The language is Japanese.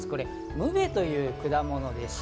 むべという果物です。